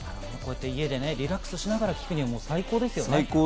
家でリラックスしながら聴くには最高ですよね。